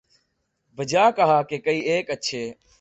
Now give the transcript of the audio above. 'بجا کہا کہ کئی ایک اچھے